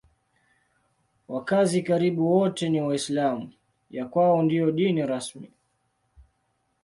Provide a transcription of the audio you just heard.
Wakazi karibu wote ni Waislamu; ya kwao ndiyo dini rasmi.